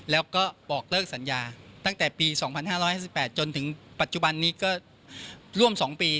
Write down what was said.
แล้วก็บอกเลิกสัญญาตั้งแต่ปี๒๕๕๘จนถึงปัจจุบันนี้ก็ร่วม๒ปี